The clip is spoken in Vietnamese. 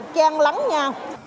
trang lắng nha